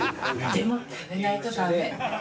でも食べないとダメ。